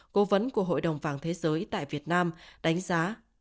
cố vấn của hội đồng vàng thế giới tại việt nam đánh giá